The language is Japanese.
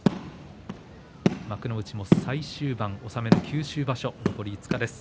幕内も最終盤、納めの九州場所残り５日です。